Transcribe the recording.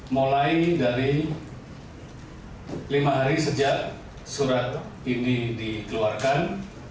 mulai dari lima hari sejak surat ini dikeluarkan